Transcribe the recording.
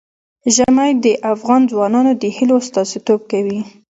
ژمی د افغان ځوانانو د هیلو استازیتوب کوي.